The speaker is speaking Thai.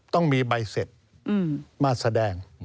ต้องมีใบเสร็จมาแสดง